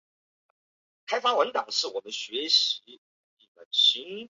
湖北理工学院